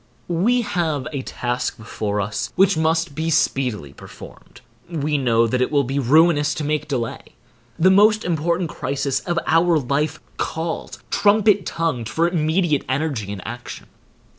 We have a task before us which must be speedily performed. We know that it will be ruinous to make delay. The most important crisis of our life calls, trumpet tongued, for immediate energy and action.